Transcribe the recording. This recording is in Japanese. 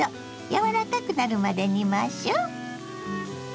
柔らかくなるまで煮ましょう。